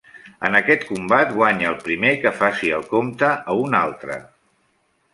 En aquest combat guanya el primer que faci el compte a un altre.